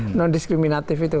penuh diskriminatif itu